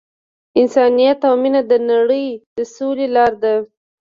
انسانیت او مینه د نړۍ د سولې لاره ده.